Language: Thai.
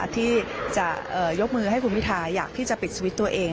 ที่จะยกมือให้คุณพิทาอยากที่จะปิดสวิตช์ตัวเอง